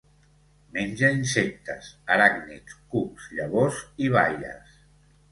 Menja insectes, aràcnids, cucs, llavors i baies.